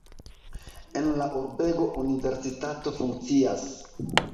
En la urbego universitato funkcias.